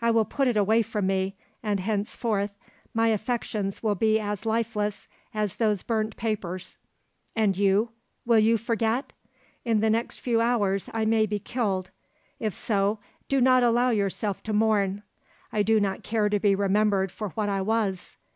I will put it away from me, and henceforth my affections will be as lifeless as those burnt papers. And you, will you forget? In the next few hours I may be killed; if so, do not allow yourself to mourn. I do not care to be remembered for what I was.